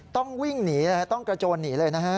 ต้องวิ่งหนีนะฮะต้องกระโจนหนีเลยนะฮะ